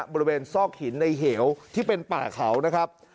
บริเวณซอกหินในเหวที่เป็นป่าเขานะครับ